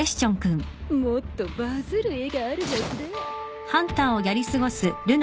もっとバズる絵があるはずだ。